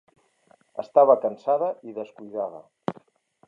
Estava cansada i descuidada.